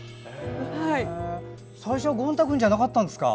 最初はゴン太くんじゃなかったんですか。